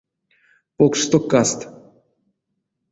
Покшсто каст!